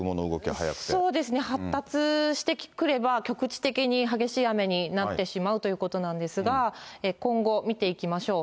そうですね、発達してくれば、局地的に激しい雨になってしまうということなんですが、今後見ていきましょう。